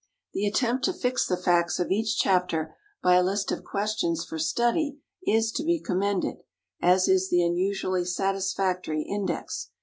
The attempt to fix the facts of each chapter by a list of questions for study is to be commended, as is the unusually satisfactory index.